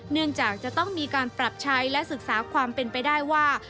เนื่องจากจะต้องมีการปรับใช้และศึกษาความเป็นไปได้ว่า